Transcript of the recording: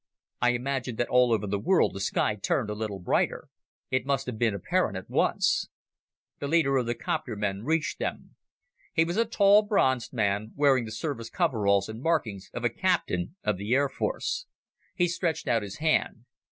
"I imagine that all over the world the sky turned a little brighter. It must have been apparent at once." The leader of the 'copter men reached them. He was a tall, bronzed man, wearing the service coveralls and markings of a captain of the Air Force. He stretched out his hand.